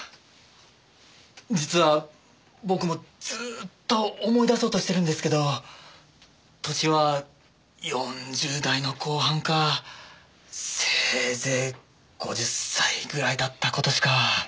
実は僕もずーっと思い出そうとしてるんですけど歳は４０代の後半かせいぜい５０歳ぐらいだった事しか。